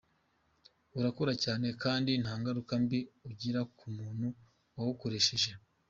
Urakora cyane kandi nta ngaruka mbi ugira ku muntu wawukoreresheje.